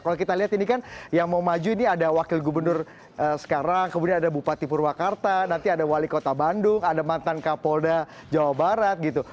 kalau kita lihat ini kan yang mau maju ini ada wakil gubernur sekarang kemudian ada bupati purwakarta nanti ada wali kota bandung ada mantan kapolda jawa barat gitu